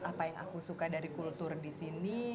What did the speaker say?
apa yang aku suka dari kultur disini